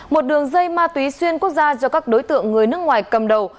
một đường dây ma túy xuyên quốc gia do các đối tượng người nước ngoài cầm đầu